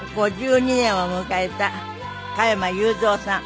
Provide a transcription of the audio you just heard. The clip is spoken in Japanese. ５２年を迎えた加山雄三さん。